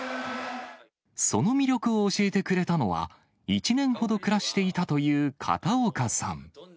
その魅力を教えてくれたのは、１年ほど暮らしていたという片岡さん。